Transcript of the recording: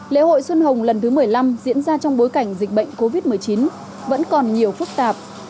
lễ hội xuân hồng lần thứ một mươi năm diễn ra trong bối cảnh dịch bệnh covid một mươi chín vẫn còn nhiều phức tạp